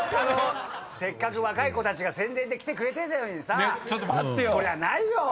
せっかく若い子たちが宣伝で来てくれてるのにさそりゃないよ！